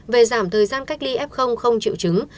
về giảm thời gian cách ly f không triệu chứng